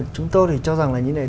chúng tôi thì cho rằng là như thế này